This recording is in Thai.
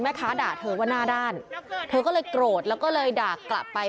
ด่าเธอว่าหน้าด้านเธอก็เลยโกรธแล้วก็เลยด่ากลับไป